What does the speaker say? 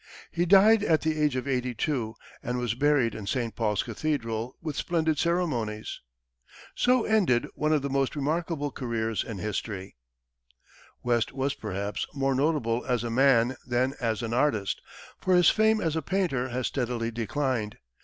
He died at the age of eighty two, and was buried in St. Paul's Cathedral with splendid ceremonies. So ended one of the most remarkable careers in history. West was, perhaps, more notable as a man than as an artist, for his fame as a painter has steadily declined.